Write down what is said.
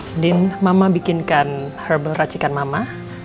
kemudian mama bikinkan herbal racikan mama